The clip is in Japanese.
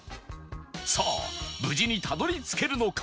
さあ無事にたどり着けるのか？